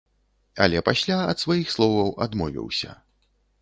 Але пасля ад сваіх словаў адмовіўся.